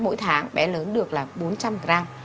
mỗi tháng bé lớn được là bốn trăm linh gram